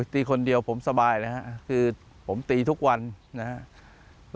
ตีคนเดียวผมสบายนะฮะคือผมตีทุกวันนะครับ